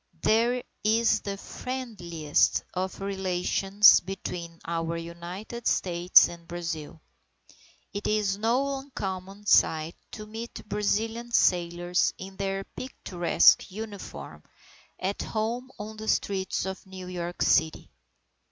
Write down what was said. There is the friendliest of relations between our United States and Brazil. It is no uncommon sight to meet Brazilian sailors in their picturesque uniform, at home on the streets of New York City.